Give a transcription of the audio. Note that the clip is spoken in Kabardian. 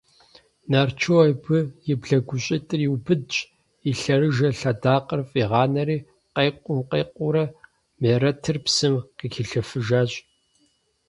Нарчу абы и блэгущӀитӀыр иубыдщ, и лъэрыжэ лъэдакъэр фӀигъанэри къекъум къекъуурэ Мерэтыр псым къыхилъэфыжащ.